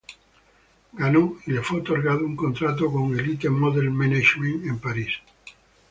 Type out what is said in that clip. Ganó y le fue otorgado un contrato con Elite Model Management en Paris.